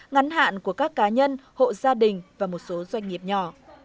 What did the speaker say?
ngắn hạn của các cá nhân hộ gia đình và một số doanh nghiệp nhỏ